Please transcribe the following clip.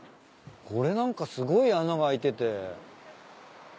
これなんかすごい穴が開いてて。